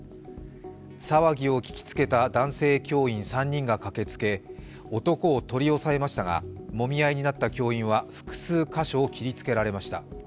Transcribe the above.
騒ぎを聞きつけた男性教員３人が駆けつけ男を取り押さえましたがもみ合いになった教員は複数箇所を切りつけられました。